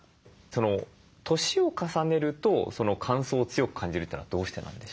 年を重ねると乾燥を強く感じるというのはどうしてなんでしょうか？